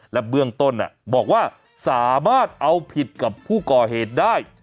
และเบื้องต้นบอกว่าสามารถเอาผิดกับผู้ก่อเหตุได้